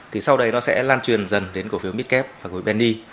thì sau đây nó sẽ lan truyền dần đến cổ phiếu midcap và cổ phiếu bendy